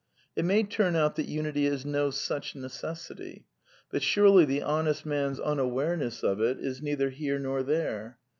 It may turn out that unity is no such necessity; but surely the honest man's unawareness of it is neither here nor there?